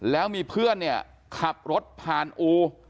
แล้วมีเพื่อนเนี่ยขับรถผ่านอู